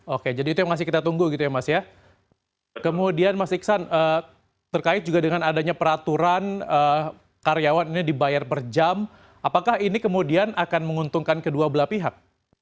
oke jadi itu yang masih kita tunggu gitu ya mas ya kemudian mas iksan terkait juga dengan adanya peraturan karyawan ini dibayar per jam apakah ini kemudian akan menguntungkan kedua belah pihak